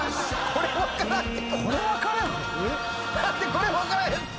これ分からんって。